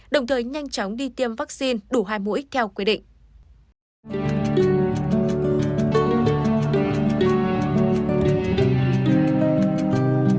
đồng thời nhanh chóng đi tiêm vaccine đủ hai mũi theo quy định